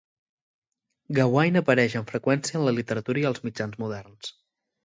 Gawain apareix amb freqüència en la literatura i els mitjans moderns.